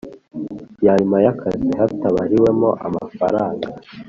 Ya nyuma y akazi hatabariwemo amafaranga